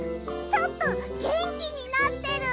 ちょっとげんきになってる！